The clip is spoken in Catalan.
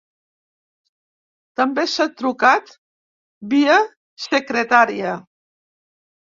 També s’ha trucat via secretaria.